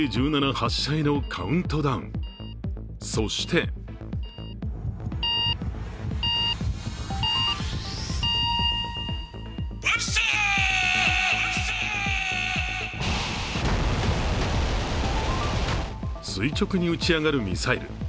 発射へのカウントダウン、そして垂直に打ち上がるミサイル。